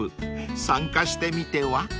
［参加してみては？］